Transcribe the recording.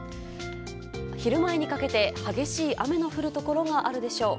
昼前にかけて激しい雨の降るところがあるでしょう。